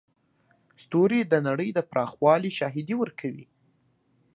ستوري د نړۍ د پراخوالي شاهدي ورکوي.